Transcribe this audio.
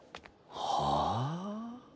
はあ？